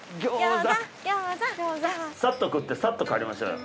サッと食ってサッと帰りましょうよ。